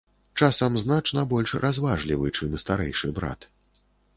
Часам значна больш разважлівы, чым старэйшы брат.